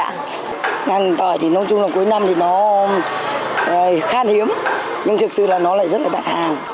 hành tỏi thì nói chung là cuối năm thì nó khá hiếm nhưng thực sự là nó lại rất là đạt hàng